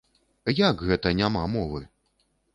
Як гэта няма мовы?!